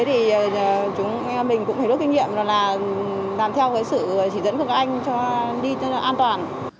thì chúng em mình cũng thấy được kinh nghiệm là làm theo sự chỉ dẫn của các anh cho đi an toàn